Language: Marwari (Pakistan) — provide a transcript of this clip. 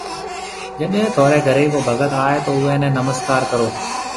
جڏي ٿوريَ گهري ڪو ڀگت آئي تو اُوئي نَي نمسڪار ڪرو۔